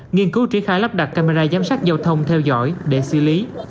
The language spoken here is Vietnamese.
nghiên cứu triển khai lắp đặt camera giám sát giao thông theo dõi để xử lý